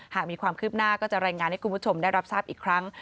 หากมีความคืบหน้าก็จะรายงานให้คุณผู้ชมได้รับทราบอีกครั้ง